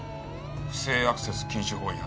不正アクセス禁止法違反。